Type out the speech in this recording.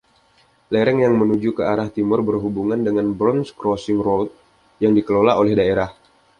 Lereng yang menuju ke arah timur berhubungan dengan Burns Crossing Road yang dikelola oleh daerah.